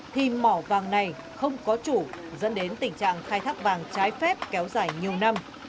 thì mỏ vàng này không có chủ dẫn đến tình trạng khai thác vàng trái phép kéo dài nhiều năm